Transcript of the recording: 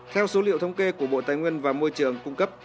theo số liệu thống kê của bộ tài nguyên và môi trường cung cấp